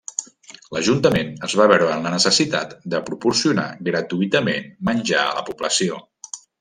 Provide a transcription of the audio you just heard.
L'ajuntament es va veure en la necessitat de proporcionar gratuïtament menjar a la població.